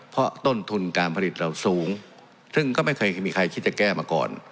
เพราะต้นทุนการผลิตเราสูงซึ่งก็ไม่เคยมีใครคิดจะแก้มาก่อน